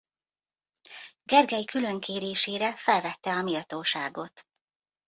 Gergely külön kérésére felvette a méltóságot.